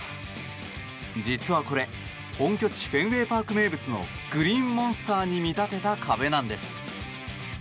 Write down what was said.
実はこれ本拠地フェンウェイパーク名物のグリーンモンスターに見立てた壁なんです。